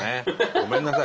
ごめんなさい。